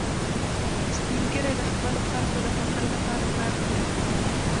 سپین ږیری د خپلو خلکو د خوښۍ لپاره کار کوي